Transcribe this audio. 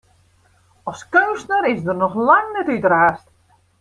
As keunstner is er noch lang net útraasd.